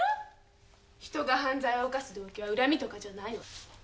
人が犯罪を犯す動機は恨みとかじゃない。